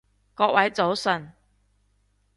各位早晨